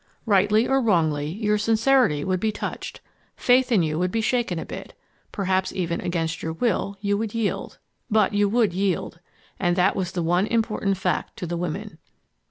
Rightly or wrongly, your sincerity would be touched; faith in you would be shaken a bit. Perhaps even against your will you would yield. But you would yield. And that was the one important fact to the women.